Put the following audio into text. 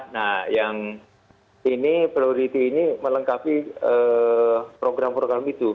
nah yang ini priority ini melengkapi program program itu